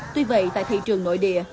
tuy vậy tại thị trường nội địa